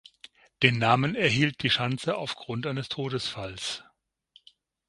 Den Namen erhielt die Schanze aufgrund eines Todesfalls.